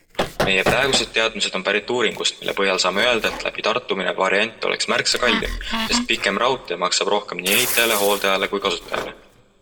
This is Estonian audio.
Meie praegused teadmised on pärit uuringust, mille põhjal saame öelda, et läbi Tartu minev variant oleks märksa kallim, sest pikem raudtee maksab rohkem nii ehitajale, hooldajale kui kasutajale.